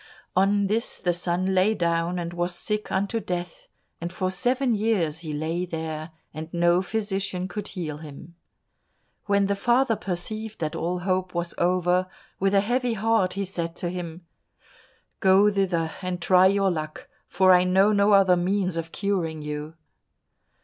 On this the son lay down and was sick unto death, and for seven years he lay there, and no physician could heal him. When the father perceived that all hope was over, with a heavy heart he said to him, "Go thither, and try your luck, for I know no other means of curing you."